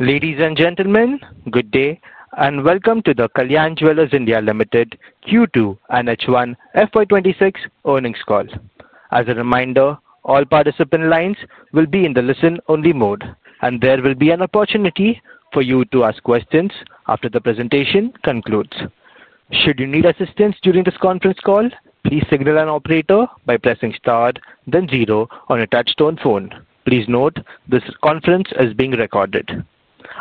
Ladies and gentlemen, good day and welcome to the Kalyan Jewellers India Limited Q2 NH1 FY26 earnings call. As a reminder, all participant lines will be in the listen-only mode, and there will be an opportunity for you to ask questions after the presentation concludes. Should you need assistance during this conference call, please signal an operator by pressing star, then zero on a touchstone phone. Please note this conference is being recorded.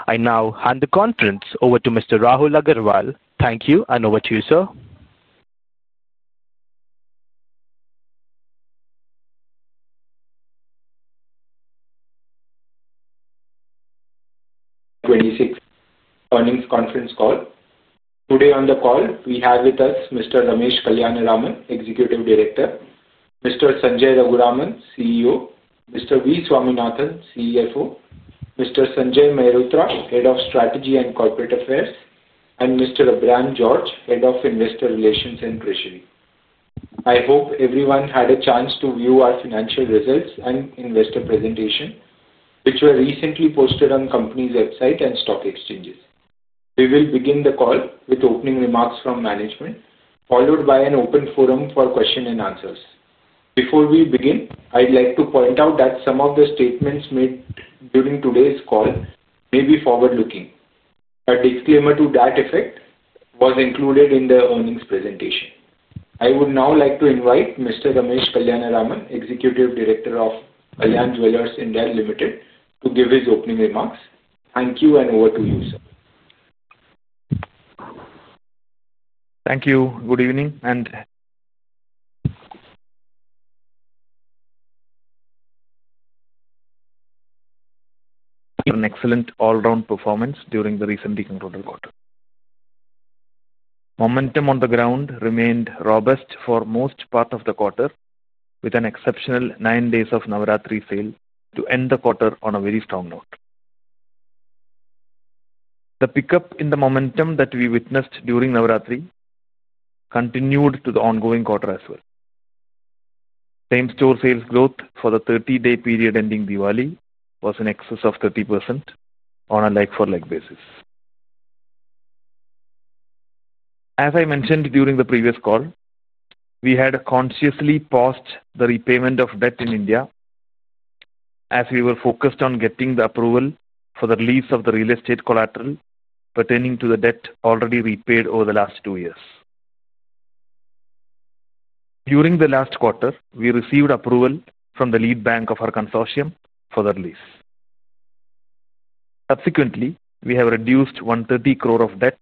I now hand the conference over to Mr. Rahul Agarwal. Thank you, and over to you, sir. 2026 earnings conference call. Today on the call, we have with us Mr. Ramesh Kalyanaraman, Executive Director; Mr. Sanjay Raghuraman, CEO; Mr. V. Swaminathan, CFO; Mr. Sanjay Mehrotra, Head of Strategy and Corporate Affairs; and Mr. Abraham George, Head of Investor Relations and Treasury. I hope everyone had a chance to view our financial results and investor presentation, which were recently posted on the company's website and stock exchanges. We will begin the call with opening remarks from management, followed by an open forum for questions and answers. Before we begin, I'd like to point out that some of the statements made during today's call may be forward-looking. A disclaimer to that effect was included in the earnings presentation. I would now like to invite Mr. Ramesh Kalyanaraman, Executive Director of Kalyan Jewellers India Limited, to give his opening remarks. Thank you, and over to you, sir. Thank you. Good evening and an excellent all-round performance during the recently concluded quarter. Momentum on the ground remained robust for most part of the quarter, with an exceptional nine days of Navratri sale to end the quarter on a very strong note. The pickup in the momentum that we witnessed during Navratri continued to the ongoing quarter as well. Same-store sales growth for the 30-day period ending Diwali was in excess of 30% on a like-for-like basis. As I mentioned during the previous call, we had consciously paused the repayment of debt in India as we were focused on getting the approval for the release of the real estate collateral pertaining to the debt already repaid over the last two years. During the last quarter, we received approval from the lead bank of our consortium for the release. Subsequently, we have reduced 130 crore of debt,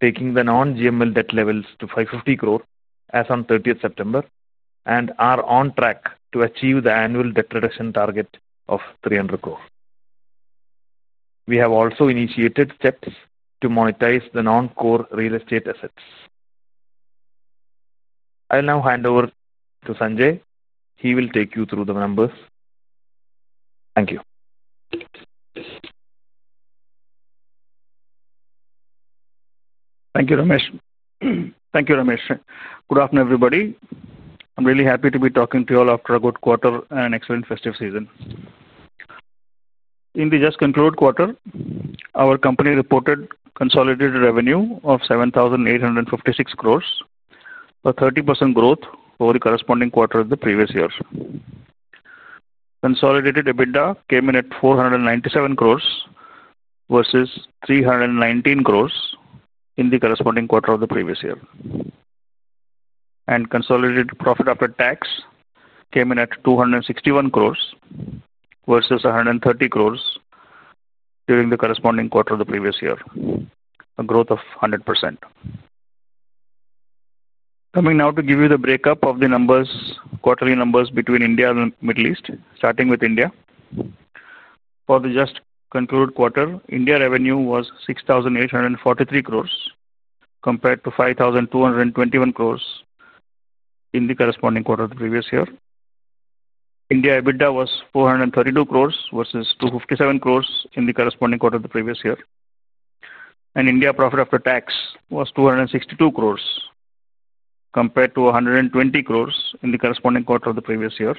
taking the non-GML debt levels to 550 crore as of 30 September, and are on track to achieve the annual debt reduction target of 300 crore. We have also initiated steps to monetize the non-core real estate assets. I'll now hand over to Sanjay. He will take you through the numbers. Thank you. Thank you, Ramesh. Good afternoon, everybody. I'm really happy to be talking to you all after a good quarter and excellent festive season. In the just-concluded quarter, our company reported consolidated revenue of 7,856 crore, a 30% growth over the corresponding quarter of the previous year. Consolidated EBITDA came in at 497 crore versus 319 crore in the corresponding quarter of the previous year. Consolidated profit after tax came in at 261 crore versus 130 crore during the corresponding quarter of the previous year, a growth of 100%. Coming now to give you the breakup of the quarterly numbers between India and the Middle East, starting with India. For the just-concluded quarter, India revenue was 6,843 crore compared to 5,221 crore in the corresponding quarter of the previous year. India EBITDA was 432 crore versus 257 crore in the corresponding quarter of the previous year. India profit after tax was 262 crore compared to 120 crore in the corresponding quarter of the previous year,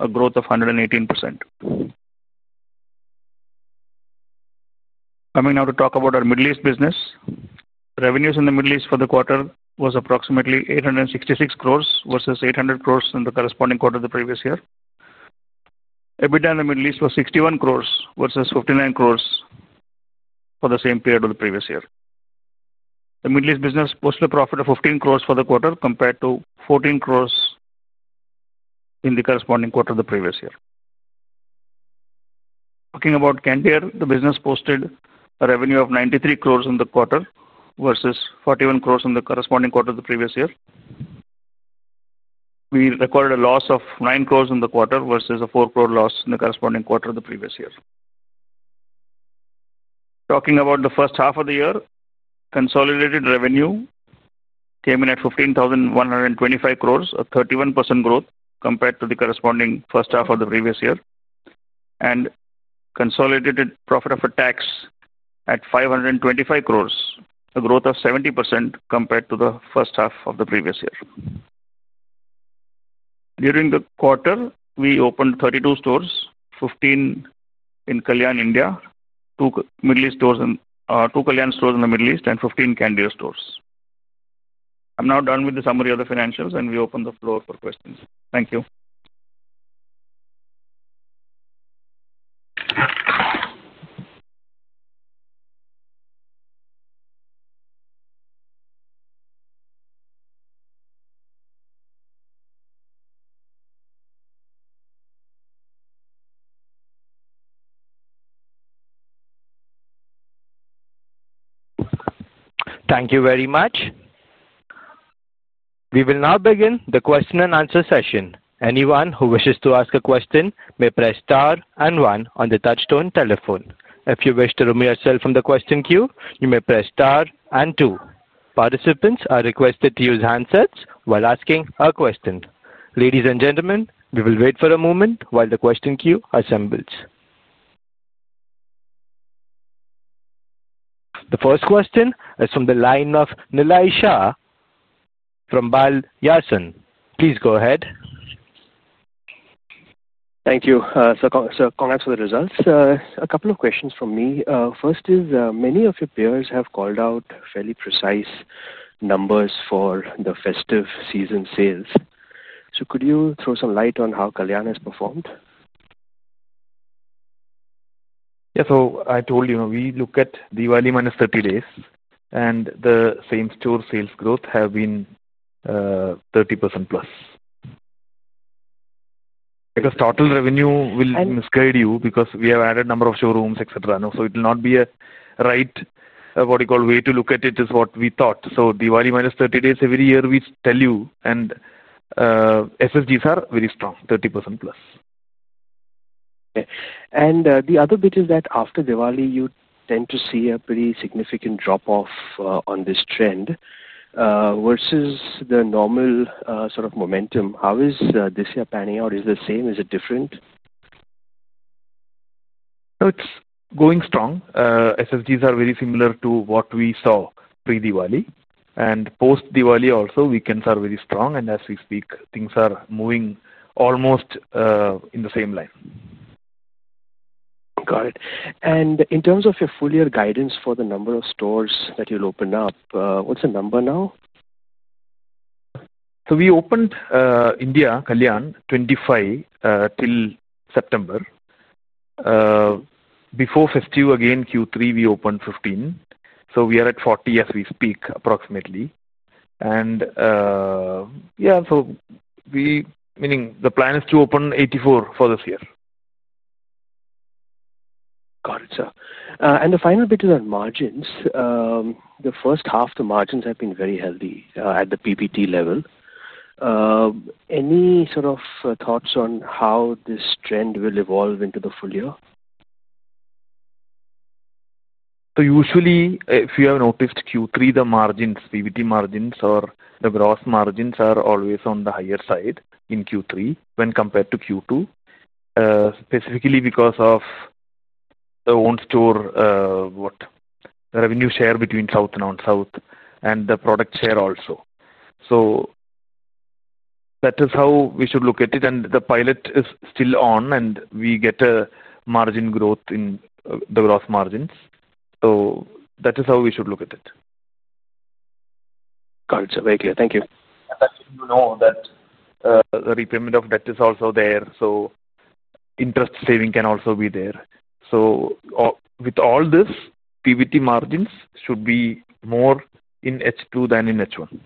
a growth of 118%. Coming now to talk about our Middle East business, revenues in the Middle East for the quarter was approximately 866 crore versus 800 crore in the corresponding quarter of the previous year. EBITDA in the Middle East was 61 crore versus 59 crore for the same period of the previous year. The Middle East business posted a profit of 15 crore for the quarter compared to 14 crore in the corresponding quarter of the previous year. Talking about Candere, the business posted a revenue of 93 crore in the quarter versus 41 crore in the corresponding quarter of the previous year. We recorded a loss of 9 crore in the quarter versus a 4 crore loss in the corresponding quarter of the previous year. Talking about the first half of the year, consolidated revenue came in at 15,125 crore, a 31% growth compared to the corresponding first half of the previous year, and consolidated profit after tax at 525 crore, a growth of 70% compared to the first half of the previous year. During the quarter, we opened 32 stores, 15 in Kalyan, India, 2 Kalyan stores in the Middle East, and 15 Candere stores. I'm now done with the summary of the financials, and we open the floor for questions. Thank you. Thank you very much. We will now begin the question and answer session. Anyone who wishes to ask a question may press star and one on the touchstone telephone. If you wish to remove yourself from the question queue, you may press star and two. Participants are requested to use handsets while asking a question. Ladies and gentlemen, we will wait for a moment while the question queue assembles. The first question is from the line of [Nilay Shah] from. Please go ahead. Thank you. Congrats for the results. A couple of questions from me. First is, many of your peers have called out fairly precise numbers for the festive season sales. Could you throw some light on how Kalyan has performed? Yeah, so I told you, we look at Diwali minus 30 days, and the same-store sales growth has been 30% plus. Because total revenue will misguide you because we have added a number of showrooms, et cetera. It will not be a right way to look at it is what we thought. Diwali minus 30 days every year, we tell you, and SSGs are very strong, 30% plus. Okay. The other bit is that after Diwali, you tend to see a pretty significant drop-off on this trend versus the normal sort of momentum. How is this year panning out? Is it the same? Is it different? It's going strong. SSGs are very similar to what we saw pre-Diwali. Post-Diwali, also, weekends are very strong. As we speak, things are moving almost in the same line. Got it. In terms of your full-year guidance for the number of stores that you'll open up, what's the number now? We opened India Kalyan 25 till September. Before festive, again, Q3, we opened 15. We are at 40 as we speak, approximately. Yeah, the plan is to open 84 for this year. Got it, sir. The final bit is on margins. The first half, the margins have been very healthy at the PBT level. Any sort of thoughts on how this trend will evolve into the full year? Usually, if you have noticed, Q3, the margins, PBT margins, or the gross margins are always on the higher side in Q3 when compared to Q2, specifically because of the own-store revenue share between South and South and the product share also. That is how we should look at it. The pilot is still on, and we get a margin growth in the gross margins. That is how we should look at it. Got it. So very clear. Thank you. As I said to you, that the repayment of debt is also there. So interest saving can also be there. With all this, PBT margins should be more in H2 than in H1.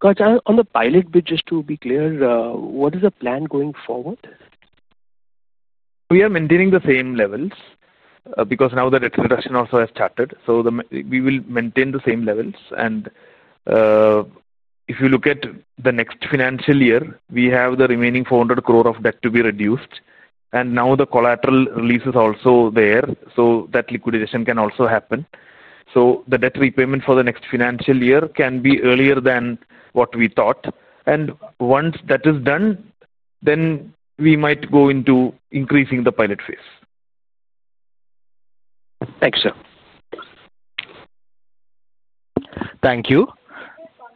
Gotcha. On the pilot bit, just to be clear, what is the plan going forward? We are maintaining the same levels because now the debt reduction also has started. We will maintain the same levels. If you look at the next financial year, we have the remaining 400 crore of debt to be reduced. Now the collateral release is also there, so that liquidation can also happen. The debt repayment for the next financial year can be earlier than what we thought. Once that is done, we might go into increasing the pilot phase. Thank you, sir. Thank you.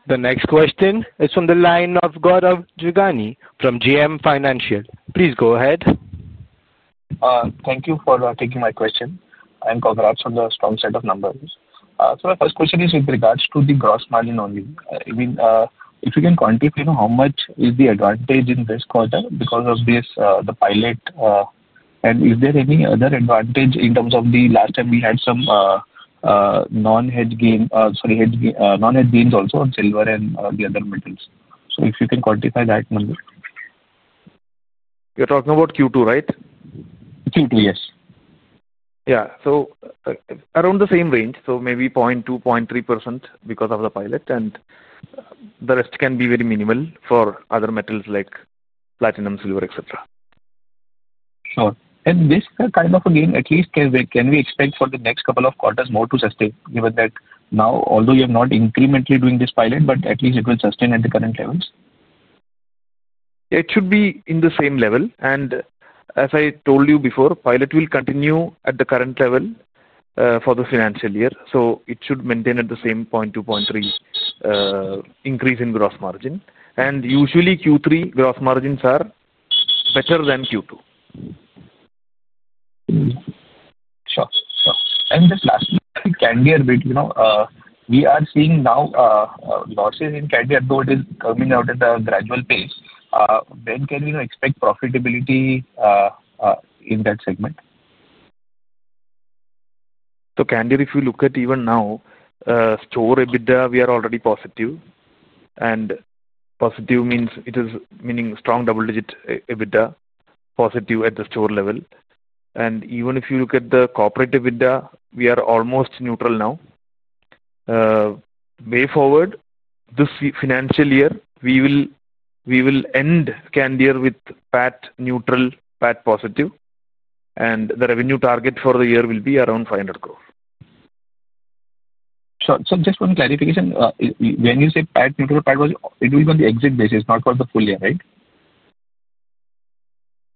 The next question is from the line of Gaurav Jogani from GM Financial. Please go ahead. Thank you for taking my question. I'm Gaurav from the strong side of numbers. My first question is with regards to the gross margin only. If you can quantify how much is the advantage in this quarter because of the pilot, and is there any other advantage in terms of the last time we had some non-hedge gains also on silver and the other metals? If you can quantify that, Manju. You're talking about Q2, right? Q2, yes. Yeah. Around the same range, maybe 0.2%-0.3% because of the pilot. The rest can be very minimal for other metals like platinum, silver, etc. Sure. This kind of, again, at least can we expect for the next couple of quarters more to sustain, given that now, although you have not incrementally doing this pilot, but at least it will sustain at the current levels? It should be in the same level. As I told you before, pilot will continue at the current level for the financial year. It should maintain at the same 0.2-0.3 increase in gross margin. Usually, Q3 gross margins are better than Q2. Sure. Sure. And just lastly, Candere a bit. We are seeing now losses in Candere at all is coming out at a gradual pace. When can we expect profitability in that segment? If you look at even now, store EBITDA, we are already positive. Positive means it is meaning strong double-digit EBITDA, positive at the store level. Even if you look at the corporate EBITDA, we are almost neutral now. Way forward, this financial year, we will end Candere year with PAT neutral, PAT positive. The revenue target for the year will be around 500 crore. Sure. Just one clarification. When you say PAT neutral, it will be on the exit basis, not for the full year, right?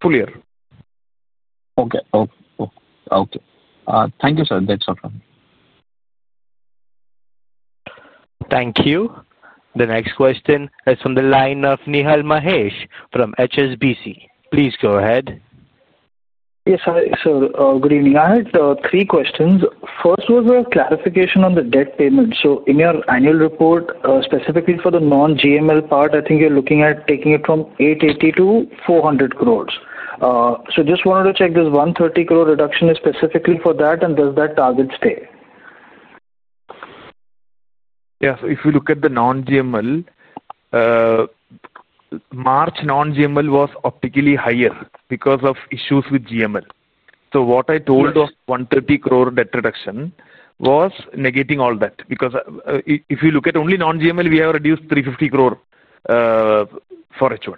Full year. Okay. Okay. Okay. Thank you, sir. That's all from me. Thank you. The next question is from the line of Nihal Mahesh from HSBC. Please go ahead. Yes, sir. Good evening. I had three questions. First was a clarification on the debt payment. In your annual report, specifically for the non-GML part, I think you're looking at taking it from 880 crore to 400 crore. I just wanted to check, this 130 crore reduction is specifically for that, and does that target stay? Yes. If you look at the non-GML, March non-GML was optically higher because of issues with GML. What I told of 130 crore debt reduction was negating all that. Because if you look at only non-GML, we have reduced 350 crore for H1.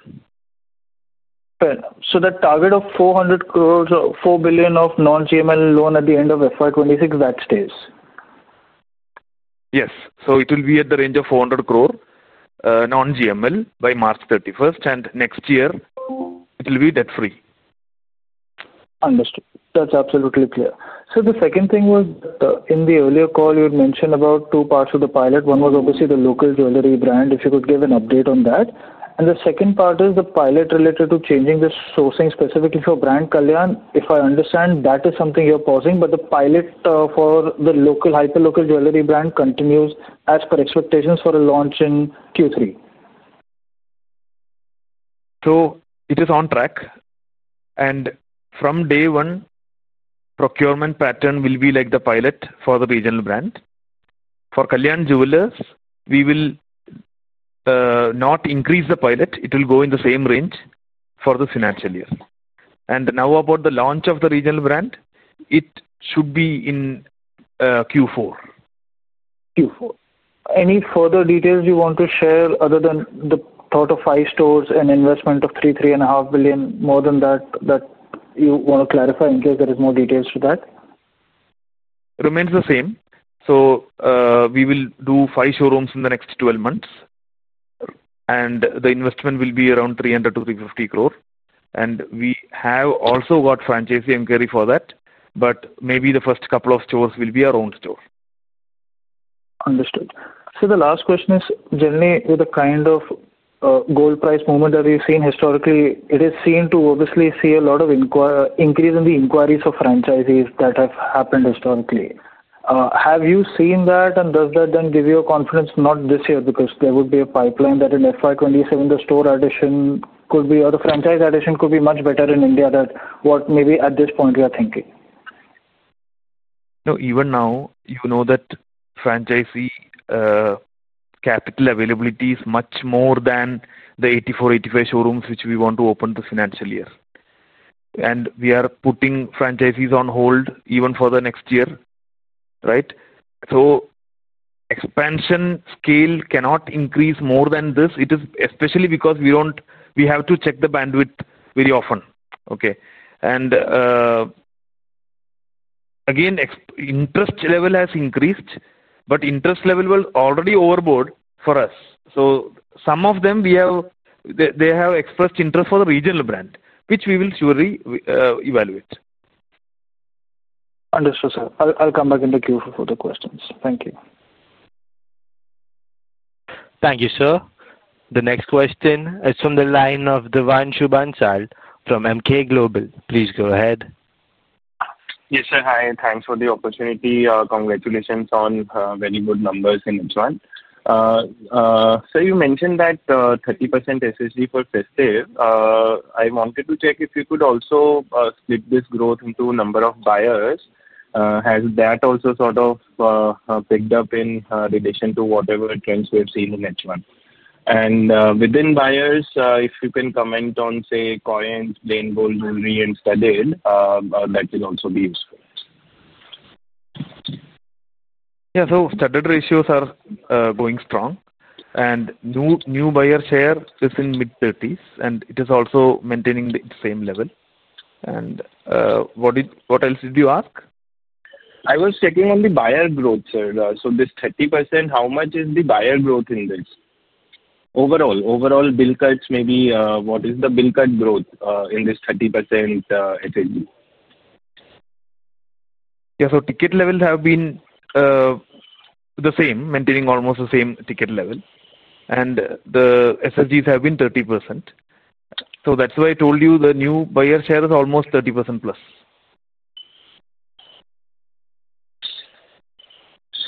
The target of 400 crore, 4 billion of non-GML loan at the end of FY 2026, that stays? Yes. It will be at the range of 400 crore non-GML by March 31. Next year, it will be debt-free. Understood. That's absolutely clear. The second thing was in the earlier call, you had mentioned about two parts of the pilot. One was obviously the local jewelry brand, if you could give an update on that. The second part is the pilot related to changing the sourcing specifically for brand Kalyan. If I understand, that is something you're pausing. The pilot for the local hyperlocal jewelry brand continues as per expectations for a launch in Q3? It is on track. From day one, procurement pattern will be like the pilot for the regional brand. For Kalyan Jewellers, we will not increase the pilot. It will go in the same range for the financial year. Now about the launch of the regional brand, it should be in Q4. Q4. Any further details you want to share other than the thought of five stores and investment of 3 billion-3.5 billion, more than that that you want to clarify in case there is more details to that? Remains the same. We will do five showrooms in the next 12 months. The investment will be around 300 crore-350 crore. We have also got franchisee inquiry for that. Maybe the first couple of stores will be our own store. Understood. The last question is, generally, with the kind of gold price momentum we've seen historically, it is seen to obviously see a lot of increase in the inquiries of franchisees that have happened historically. Have you seen that, and does that then give you a confidence not this year because there would be a pipeline that in FY 2027, the store addition could be or the franchise addition could be much better in India than what maybe at this point we are thinking? No. Even now, you know that franchisee capital availability is much more than the 84-85 showrooms which we want to open this financial year. We are putting franchisees on hold even for the next year, right? Expansion scale cannot increase more than this, especially because we have to check the bandwidth very often. Okay? Again, interest level has increased, but interest level was already overboard for us. Some of them, they have expressed interest for the regional brand, which we will surely evaluate. Understood, sir. I'll come back into Q4 for the questions. Thank you. Thank you, sir. The next question is from the line of Devanshu Bansal from MK Global. Please go ahead. Yes, sir. Hi. Thanks for the opportunity. Congratulations on very good numbers in H1. You mentioned that 30% SSG for festive. I wanted to check if you could also split this growth into number of buyers. Has that also sort of picked up in relation to whatever trends we've seen in H1? Within buyers, if you can comment on, say, coins, plain gold jewelry, and studded, that will also be useful. Yeah. Studded ratios are going strong. New buyer share is in mid-30s, and it is also maintaining the same level. What else did you ask? I was checking on the buyer growth, sir. So this 30%, how much is the buyer growth in this? Overall, overall, bill cuts, maybe what is the bill cut growth in this 30% SSG? Yeah. Ticket levels have been the same, maintaining almost the same ticket level. The SSGs have been 30%. That is why I told you the new buyer share is almost 30% plus.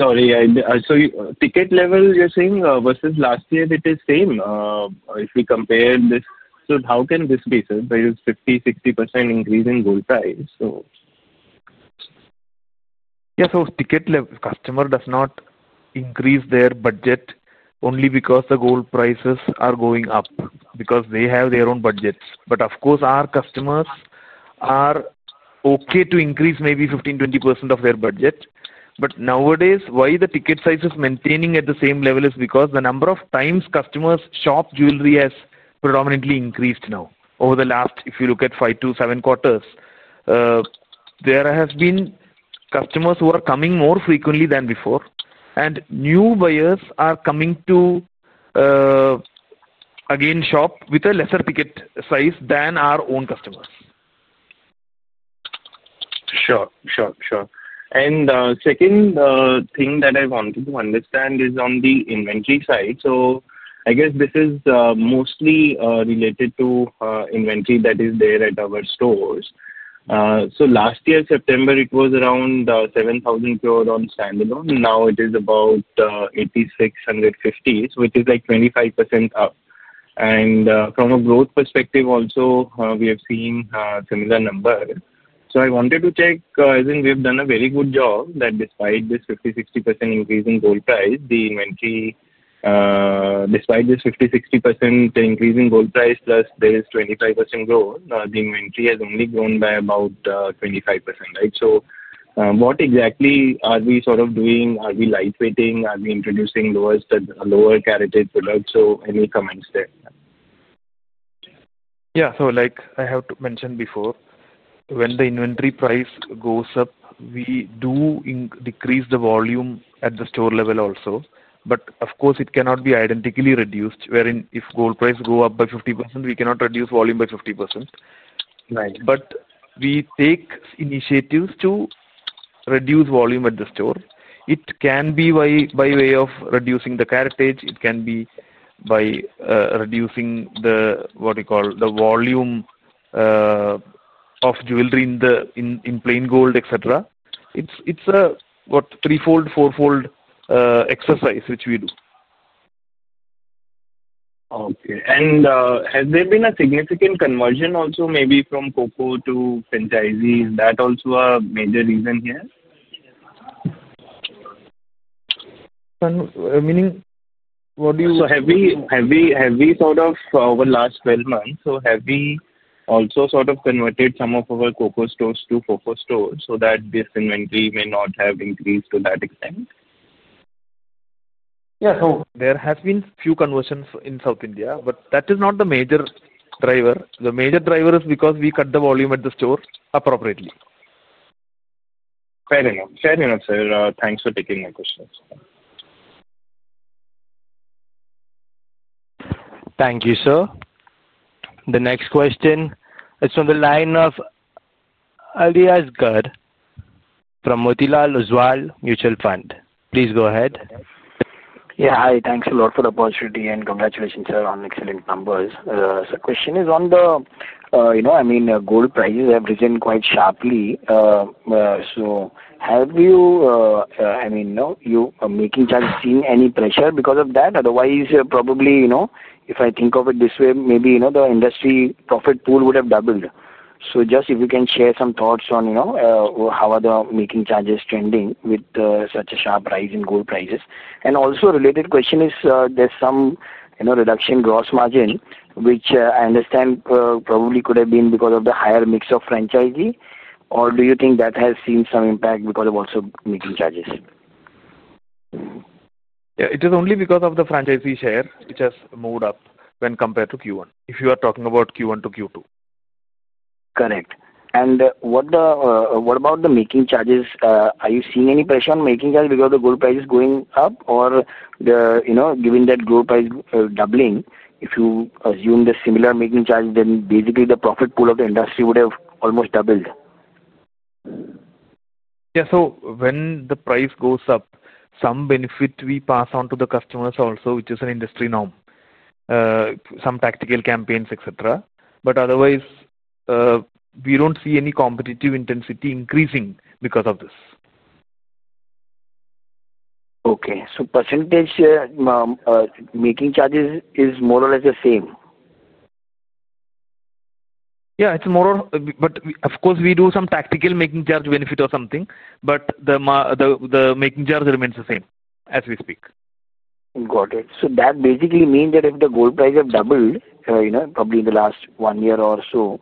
Sorry. So ticket level, you're saying, versus last year, it is same if we compare this. How can this be, sir, that it is 50%-60% increase in gold price? Yeah. Ticket level, customer does not increase their budget only because the gold prices are going up, because they have their own budgets. Of course, our customers are okay to increase maybe 15%-20% of their budget. Nowadays, why the ticket size is maintaining at the same level is because the number of times customers shop jewelry has predominantly increased now over the last, if you look at five to seven quarters. There have been customers who are coming more frequently than before. New buyers are coming to, again, shop with a lesser ticket size than our own customers. Sure. Sure. And the second thing that I wanted to understand is on the inventory side. I guess this is mostly related to inventory that is there at our stores. Last year, September, it was around 7,000 crore on standalone. Now it is about 8,615 crore, which is like 25% up. From a growth perspective, also, we have seen similar numbers. I wanted to check, as in we have done a very good job that despite this 50%-60% increase in gold price, the inventory, despite this 50%-60% increase in gold price, plus there is 25% growth, the inventory has only grown by about 25%, right? What exactly are we sort of doing? Are we lightweighting? Are we introducing lower-caratage products? Any comments there? Yeah. Like I have mentioned before, when the inventory price goes up, we do decrease the volume at the store level also. Of course, it cannot be identically reduced. Wherein if gold price goes up by 50%, we cannot reduce volume by 50%. We take initiatives to reduce volume at the store. It can be by way of reducing the caratage. It can be by reducing the, what we call, the volume of jewelry in plain gold, et cetera. It is a, what, threefold, fourfold exercise which we do. Okay. Has there been a significant conversion also maybe from COCO to franchises? That also a major reason here? Meaning what do you? Heavy sort of over the last 12 months. So have we also sort of converted some of our COCO stores to FOCO stores so that this inventory may not have increased to that extent? Yeah. There have been few conversions in South India, but that is not the major driver. The major driver is because we cut the volume at the store appropriately. Fair enough. Fair enough, sir. Thanks for taking my questions. Thank you, sir. The next question is from the line of Aliyasgar from Motilal Oswal Mutual Fund. Please go ahead. Yeah. Hi. Thanks a lot for the opportunity. And congratulations, sir, on excellent numbers. Question is on the, I mean, gold prices have risen quite sharply. Have you, I mean, your making charges seen any pressure because of that? Otherwise, probably if I think of it this way, maybe the industry profit pool would have doubled. Just if you can share some thoughts on how are the making charges trending with such a sharp rise in gold prices. Also, related question is there's some reduction in gross margin, which I understand probably could have been because of the higher mix of franchisee. Or do you think that has seen some impact because of also making charges? Yeah. It is only because of the franchisee share which has moved up when compared to Q1, if you are talking about Q1 to Q2. Correct. What about the making charges? Are you seeing any pressure on making charges because the gold price is going up? Given that gold price doubling, if you assume the similar making charges, then basically the profit pool of the industry would have almost doubled? Yeah. So when the price goes up, some benefit we pass on to the customers also, which is an industry norm, some tactical campaigns, etc. Otherwise, we don't see any competitive intensity increasing because of this. Okay. So percentage making charges is more or less the same? Yeah. It's more or, but of course, we do some tactical making charge benefit or something. But the making charge remains the same as we speak. Got it. So that basically means that if the gold price has doubled probably in the last one year or so,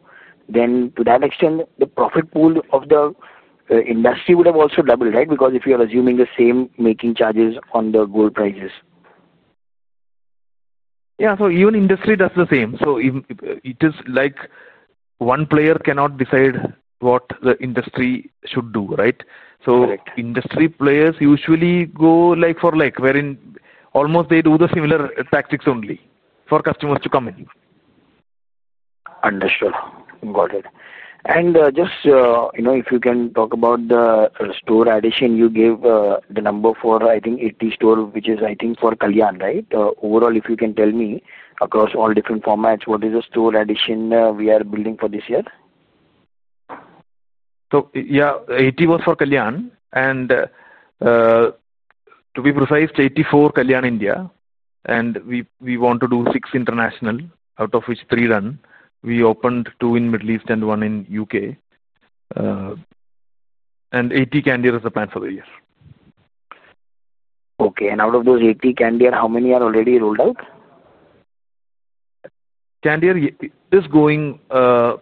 then to that extent, the profit pool of the industry would have also doubled, right? Because if you are assuming the same making charges on the gold prices. Yeah. Even industry does the same. It is like one player cannot decide what the industry should do, right? Industry players usually go for, like, wherein almost they do the similar tactics only for customers to come in. Understood. Got it. If you can talk about the store addition, you gave the number for, I think, 80 stores, which is, I think, for Kalyan, right? Overall, if you can tell me across all different formats, what is the store addition we are building for this year? Yeah, 80 was for Kalyan. To be precise, 84 Kalyan India. We want to do six international, out of which three run. We opened two in Middle East and one in U.K., 80 Candere is the plan for the year. Okay. And out of those 80 Candere, how many are already rolled out? Candere is going a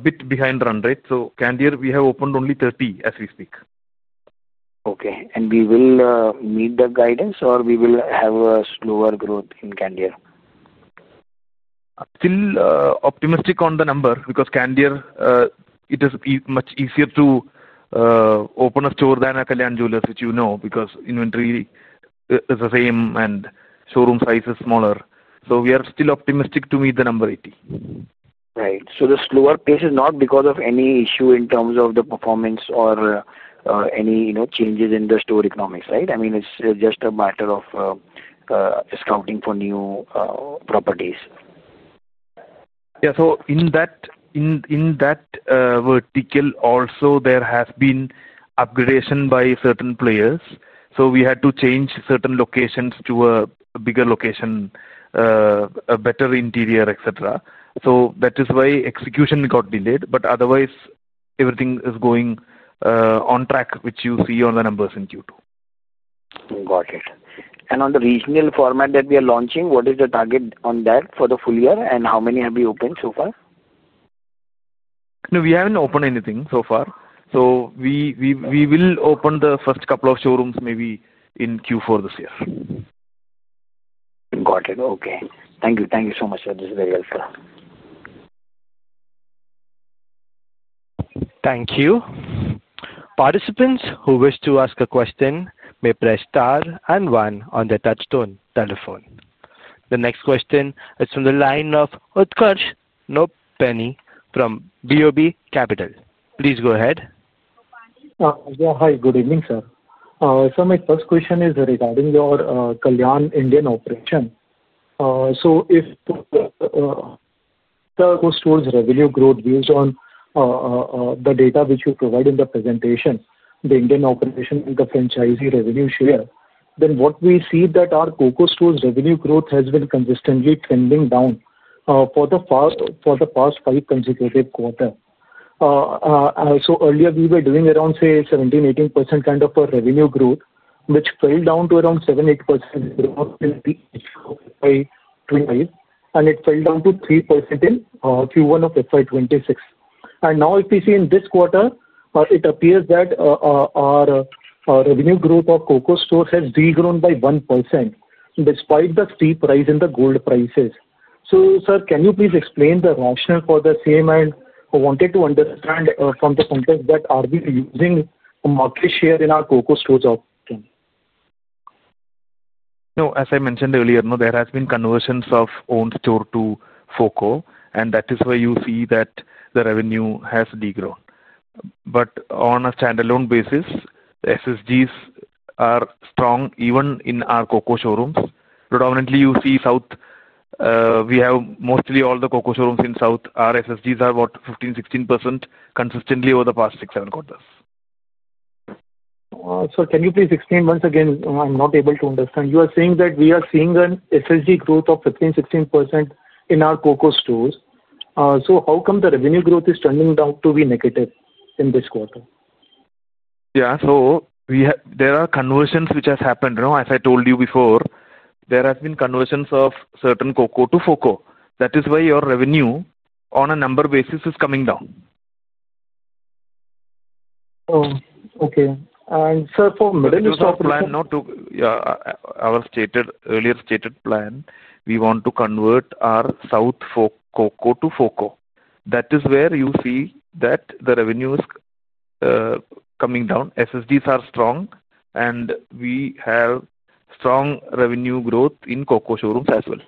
bit behind run, right? So Candere, we have opened only 30 as we speak. Okay. And we will meet the guidance, or we will have a slower growth in Candere? Still optimistic on the number because Candere, it is much easier to open a store than a Kalyan Jewellers, which you know, because inventory is the same and showroom size is smaller. So we are still optimistic to meet the Number 80. Right. So the slower pace is not because of any issue in terms of the performance or any changes in the store economics, right? I mean, it's just a matter of scouting for new properties. Yeah. In that vertical, also there has been upgradation by certain players. We had to change certain locations to a bigger location, a better interior, et cetera. That is why execution got delayed. Otherwise, everything is going on track, which you see on the numbers in Q2. Got it. On the regional format that we are launching, what is the target on that for the full year? How many have you opened so far? No. We haven't opened anything so far. We will open the first couple of showrooms maybe in Q4 this year. Got it. Okay. Thank you. Thank you so much, sir. This is very helpful. Thank you. Participants who wish to ask a question may press star and one on the touchstone telephone. The next question is from the line of Utkarsh Nopany from BOB Capital. Please go ahead. Yeah. Hi. Good evening, sir. My first question is regarding your Kalyan Indian operation. If the COCO stores revenue growth, based on the data which you provide in the presentation, the Indian operation and the franchisee revenue share, then what we see is that our COCO stores revenue growth has been consistently trending down for the past five consecutive quarters. Earlier, we were doing around 17%-18% kind of revenue growth, which fell down to around 7%-8% growth in Q5, and it fell down to 3% in Q1 of FY 2026. Now, if you see in this quarter, it appears that our revenue growth of COCO stores has degrown by 1% despite the steep rise in the gold prices. Sir, can you please explain the rationale for the same? I wanted to understand from the context that are we using market share in our COCO stores operation? No. As I mentioned earlier, there has been conversions of owned store to COCO. That is where you see that the revenue has degrown. On a standalone basis, SSGs are strong even in our COCO showrooms. Predominantly, you see South, we have mostly all the COCO showrooms in South. Our SSGs are about 15%-16% consistently over the past six-seven quarters. Sir, can you please explain once again? I'm not able to understand. You are saying that we are seeing an SSG growth of 15%-16% in our COCO stores. So how come the revenue growth is trending down to be negative in this quarter? Yeah. So there are conversions which have happened. As I told you before, there have been conversions of certain COCO to FOCO. That is why your revenue on a number basis is coming down. Oh, okay. Sir, for Middle East plan. Middle Eastern plan, yeah, our stated earlier stated plan, we want to convert our South for COCO to COCO. That is where you see that the revenue is coming down. SSGs are strong, and we have strong revenue growth in COCO showrooms as well.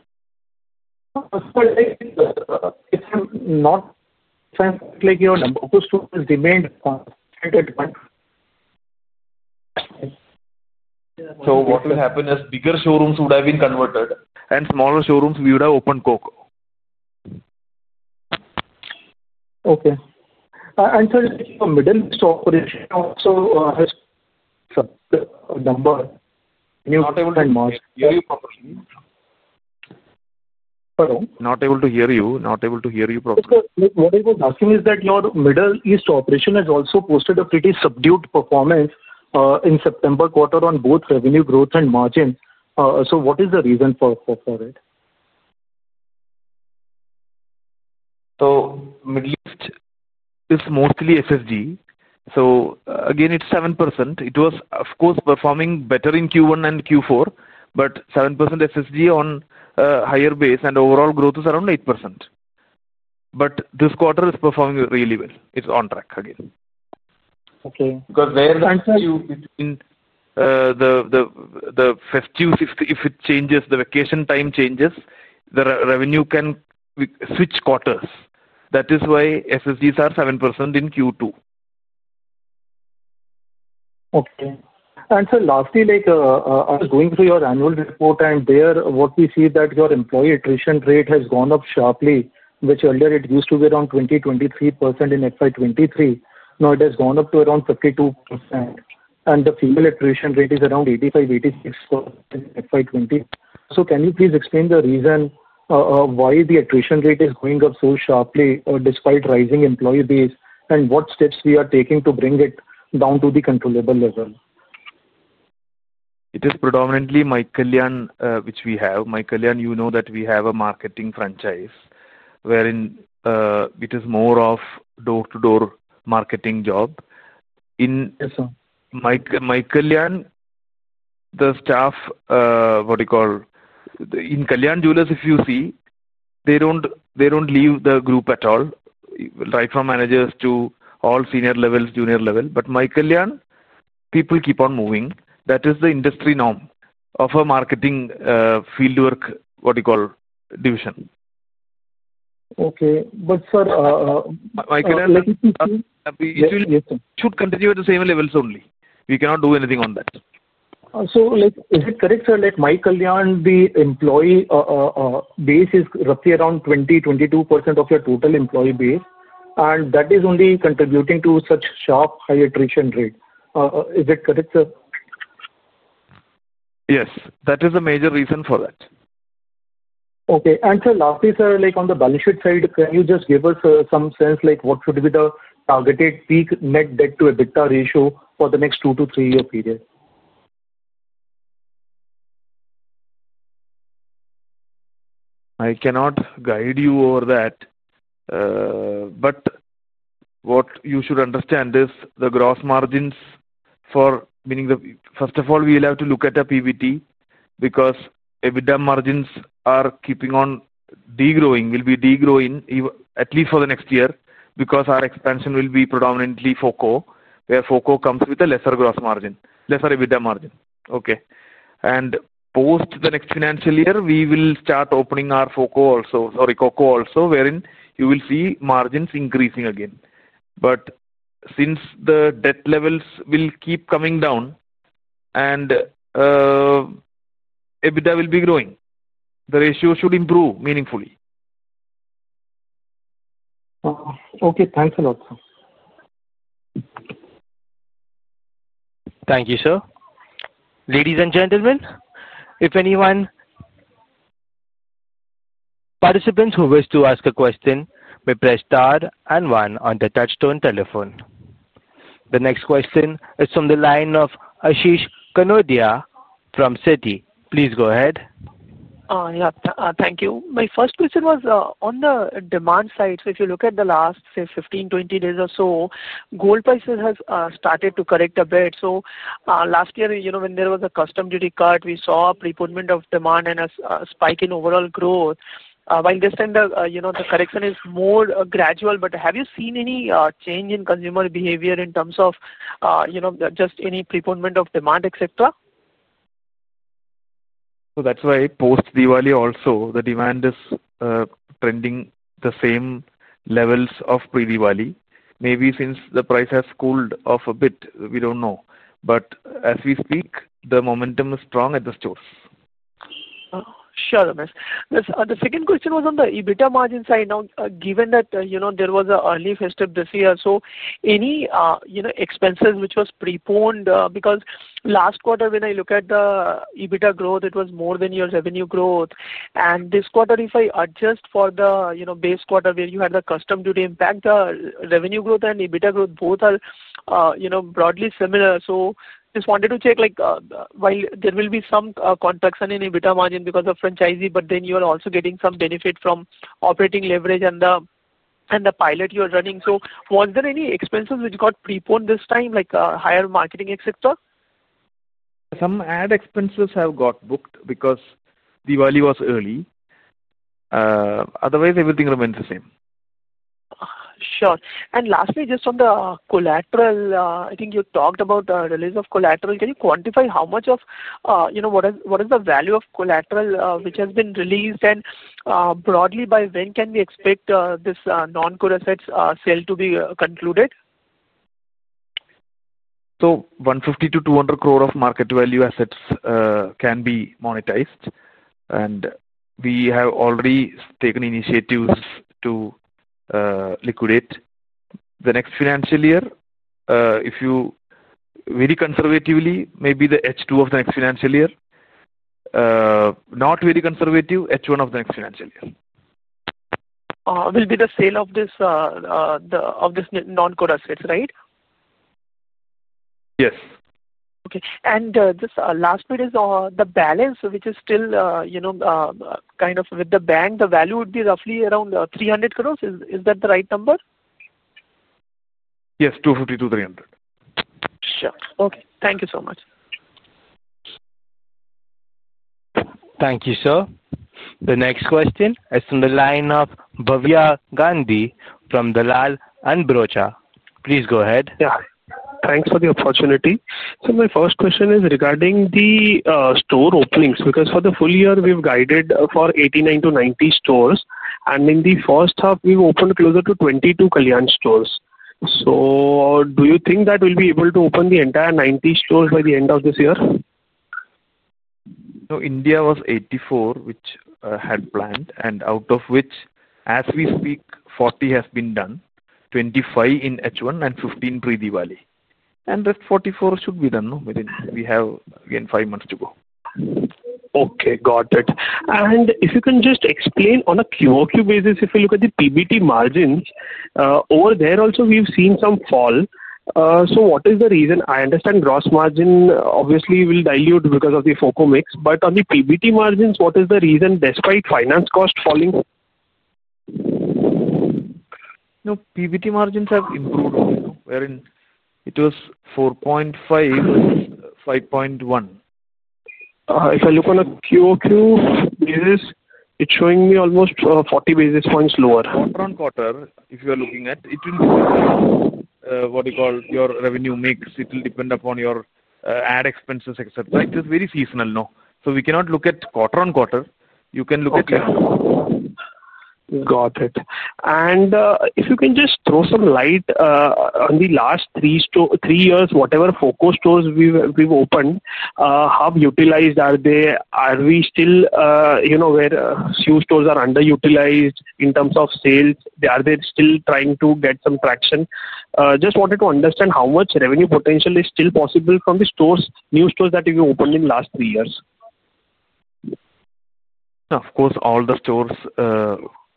If I'm correct, your COCO stores demand constant at once. What will happen is bigger showrooms would have been converted, and smaller showrooms, we would have opened COCO. Okay. Sir, your Middle operation also has a number. Can you hear you properly? Not able to hear you. Not able to hear you properly. Sir, what I was asking is that your Middle East operation has also posted a pretty subdued performance in September quarter on both revenue growth and margin. What is the reason for it? Middle Eastern is mostly SSG. Again, it's 7%. It was, of course, performing better in Q1 and Q4, but 7% SSG on a higher base, and overall growth is around 8%. This quarter is performing really well. It's on track again. Okay. Because where the few between the festive, if it changes, the vacation time changes, the revenue can switch quarters. That is why SSGs are 7% in Q2. Okay. And sir, lastly, going through your annual report, and there, what we see is that your employee attrition rate has gone up sharply, which earlier it used to be around 20%-23% in FY 2023. Now it has gone up to around 52%. And the female attrition rate is around 85%-86% in FY 2028. So can you please explain the reason why the attrition rate is going up so sharply despite rising employee base? And what steps we are taking to bring it down to the controllable level? It is predominantly My Kalyan, which we have. My Kalyan, you know that we have a marketing franchise, wherein it is more of a door-to-door marketing job. In My Kalyan, the staff, what do you call? In Kalyan Jewellers, if you see, they do not leave the group at all, right from managers to all senior levels, junior level. But My Kalyan, people keep on moving. That is the industry norm of a marketing fieldwork, what do you call, division. Okay. But sir? My Kalyan. Let me see. It should continue at the same levels only. We cannot do anything on that. Is it correct, sir, that my Kalyan, the employee base is roughly around 20%-22% of your total employee base? And that is only contributing to such sharp high attrition rate. Is it correct, sir? Yes. That is the major reason for that. Okay. And sir, lastly, sir, on the balance sheet side, can you just give us some sense what should be the targeted peak net debt to EBITDA ratio for the next two to three-year period? I cannot guide you over that. What you should understand is the gross margins for, meaning first of all, we will have to look at PBT because EBITDA margins are keeping on degrowing, will be degrowing at least for the next year because our expansion will be predominantly FOCO, where FOCO comes with a lesser gross margin, lesser EBITDA margin. Okay. Post the next financial year, we will start opening our COCO also, sorry, COCO also, wherein you will see margins increasing again. Since the debt levels will keep coming down and EBITDA will be growing, the ratio should improve meaningfully. Okay. Thanks a lot, sir. Thank you, sir. Ladies and gentlemen, if any participants who wish to ask a question, may press star and one on the touchstone telephone. The next question is from the line of Ashish Kanodia from Citi. Please go ahead. Yeah. Thank you. My first question was on the demand side. If you look at the last, say, 15-20 days or so, gold prices have started to correct a bit. Last year, when there was a customs duty cut, we saw a preponement of demand and a spike in overall growth. This time, the correction is more gradual. Have you seen any change in consumer behavior in terms of just any preponement of demand, et cetera? That's why post Diwali also, the demand is trending the same levels of pre-Diwali. Maybe since the price has cooled off a bit, we don't know. But as we speak, the momentum is strong at the stores. Sure. The second question was on the EBITDA margin side. Now, given that there was an early festive this year, any expenses which were preponed? Because last quarter, when I look at the EBITDA growth, it was more than your revenue growth. This quarter, if I adjust for the base quarter where you had the customs duty impact, the revenue growth and EBITDA growth both are broadly similar. I just wanted to check, while there will be some contraction in EBITDA margin because of franchisee, you are also getting some benefit from operating leverage and the pilot you are running. Was there any expenses which got preponed this time, like higher marketing, et cetera? Some ad expenses have got booked because Diwali was early. Otherwise, everything remained the same. Sure. Lastly, just on the collateral, I think you talked about the release of collateral. Can you quantify how much of what is the value of collateral which has been released? Broadly, by when can we expect this non-core assets sale to be concluded? So 150 crore-200 crore of market value assets can be monetized. We have already taken initiatives to liquidate the next financial year. If you very conservatively, maybe the H2 of the next financial year. Not very conservative, H1 of the next financial year. Will be the sale of these non-core assets, right? Yes. Okay. And just last bit is the balance, which is still kind of with the bank, the value would be roughly around 300 crore. Is that the right number? Yes. 250 crore-300 crore. Sure. Okay. Thank you so much. Thank you, sir. The next question is from the line of Bhavya Gandhi from Dalal & Broacha. Please go ahead. Yeah. Thanks for the opportunity. My first question is regarding the store openings. Because for the full year, we've guided for 89 stores-90 stores. In the first half, we've opened closer to 22 Kalyan stores. Do you think that we'll be able to open the entire 90 stores by the end of this year? India was 84, which had planned, and out of which, as we speak, 40 have been done, 25 in H1 and 15 pre-Diwali. That 44 should be done. We have again five months to go. Okay. Got it. If you can just explain on a QOQ basis, if you look at the PBT margins, over there also, we've seen some fall. What is the reason? I understand gross margin obviously will dilute because of the FOCO mix. On the PBT margins, what is the reason despite finance cost falling? No. PBT margins have improved, wherein it was 4.5-5.1. If I look on a QOQ basis, it's showing me almost 40 basis points lower. Quarter-on-quarter, if you are looking at, it will depend on what do you call your revenue mix. It will depend upon your ad expenses, et cetera. It is very seasonal now. We cannot look at quarter-on-quarter. You can look at. Got it. If you can just throw some light on the last three years, whatever FOCO stores we've opened, how utilized are they? Are we still where a few stores are underutilized in terms of sales? Are they still trying to get some traction? Just wanted to understand how much revenue potential is still possible from the new stores that you opened in the last three years. Of course, all the stores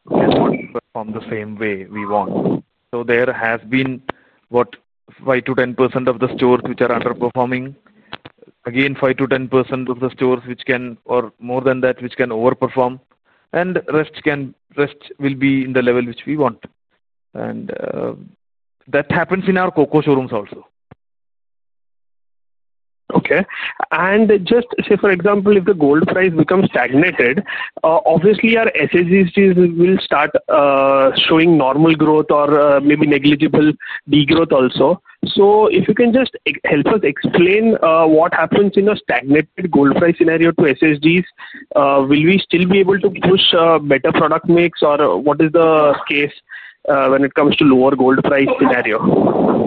perform the same way we want. There has been, what, 5%-10% of the stores which are underperforming. Again, 5%-10% of the stores which can, or more than that, which can overperform. The rest will be in the level which we want. That happens in our COCO showrooms also. Okay. Just say, for example, if the gold price becomes stagnated, obviously, our SSGs will start showing normal growth or maybe negligible degrowth also. If you can just help us explain what happens in a stagnated gold price scenario to SSGs, will we still be able to push better product mix, or what is the case when it comes to lower gold price scenario?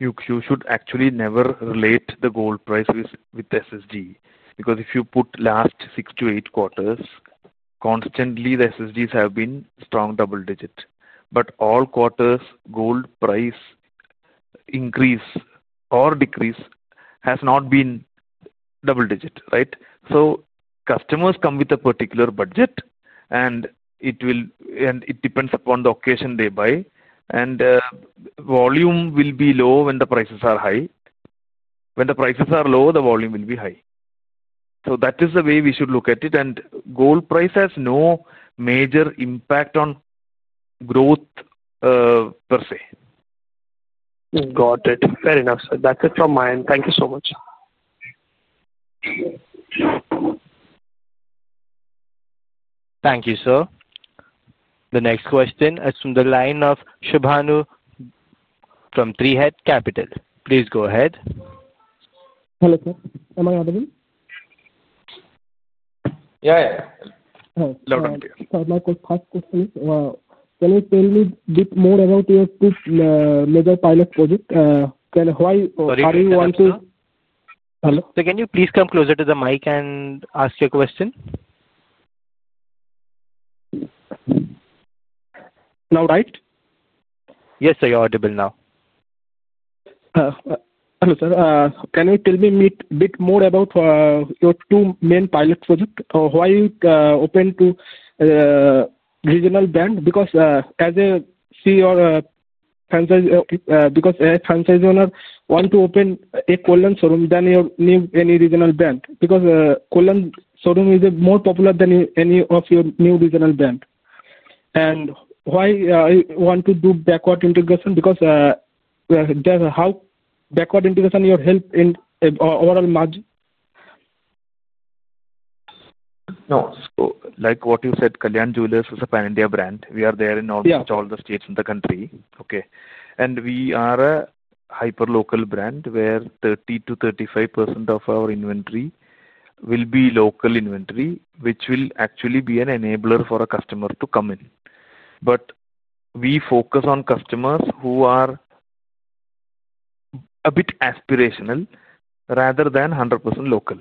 You should actually never relate the gold price with SSG. Because if you put last six to eight quarters, constantly, the SSGs have been strong double digit. But all quarters, gold price increase or decrease has not been double digit, right? Customers come with a particular budget, and it depends upon the occasion they buy. Volume will be low when the prices are high. When the prices are low, the volume will be high. That is the way we should look at it. Gold price has no major impact on growth per se. Got it. Fair enough, sir. That's it from my end. Thank you so much. Thank you, sir. The next question is from the line of Shubhanu from Three Head Capital. Please go ahead. Hello, sir. Am I audible? Yeah. Yeah. Hello. My first question is, can you tell me a bit more about your two major pilot projects? Why do you want to? Sorry. Hello? Can you please come closer to the mic and ask your question? Now, right? Yes, sir. You're audible now. Hello, sir. Can you tell me a bit more about your two main pilot projects? Why open to regional brand? Because as I see your franchise owner, want to open a Kollam showroom than your new any regional brand? Because Kollam showroom is more popular than any of your new regional brand. And why want to do backward integration? Because how backward integration will help in overall margin? No. Like what you said, Kalyan Jewellers is a pan-India brand. We are there in almost all the states in the country. Okay. We are a hyper-local brand where 30%-35% of our inventory will be local inventory, which will actually be an enabler for a customer to come in. We focus on customers who are a bit aspirational rather than 100% local.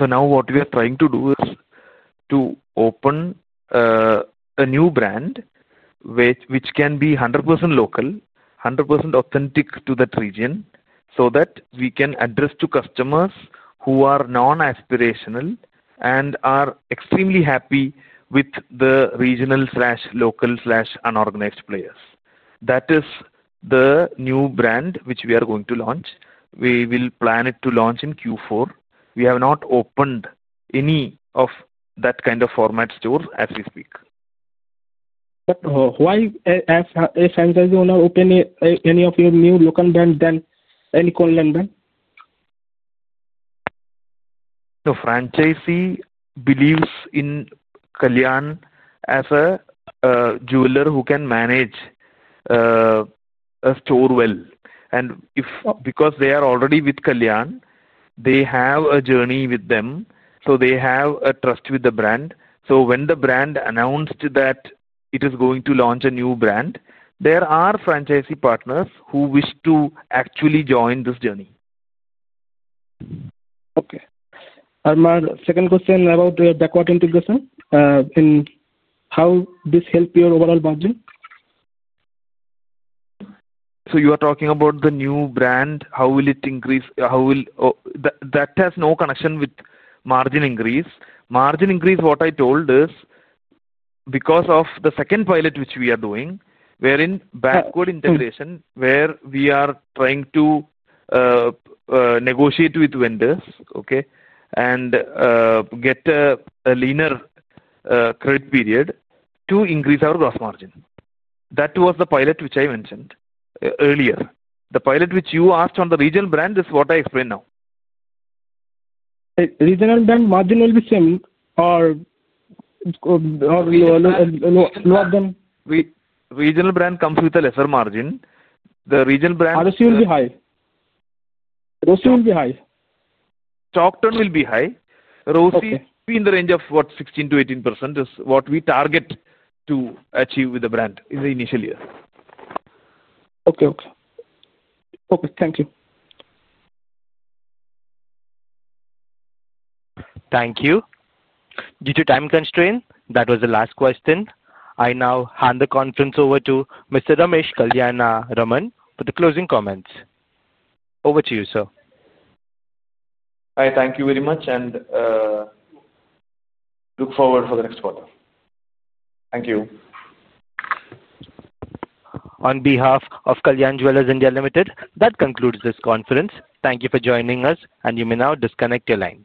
Now what we are trying to do is to open a new brand which can be 100% local, 100% authentic to that region so that we can address customers who are non-aspirational and are extremely happy with the regional/local/unorganized players. That is the new brand which we are going to launch. We plan to launch it in Q4. We have not opened any of that kind of format stores as we speak. Why has a franchise owner opened any of your new local brand than any Kalyan brand? The franchisee believes in Kalyan as a jeweler who can manage a store well. Because they are already with Kalyan, they have a journey with them. They have a trust with the brand. When the brand announced that it is going to launch a new brand, there are franchisee partners who wish to actually join this journey. Okay. My second question about backward integration and how this helps your overall margin? You are talking about the new brand. How will it increase? That has no connection with margin increase. Margin increase, what I told is because of the second pilot which we are doing, wherein backward integration, where we are trying to negotiate with vendors, okay, and get a leaner credit period to increase our gross margin. That was the pilot which I mentioned earlier. The pilot which you asked on the regional brand is what I explained now. Regional brand margin will be same or lower than? Regional brand comes with a lesser margin. The regional brand. ROC will be high. Stock turn will be high. ROC will be in the range of 16%-18% is what we target to achieve with the brand in the initial year. Okay. Thank you. Thank you. Due to time constraint, that was the last question. I now hand the conference over to Mr. Ramesh Kalyanaraman for the closing comments. Over to you, sir. Hi. Thank you very much. I look forward to the next quarter. Thank you. On behalf of Kalyan Jewellers India Limited, that concludes this conference. Thank you for joining us, and you may now disconnect your lines.